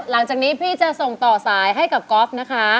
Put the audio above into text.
หลังจากนี้พี่จะส่งต่อสายให้กับก๊อฟนะคะ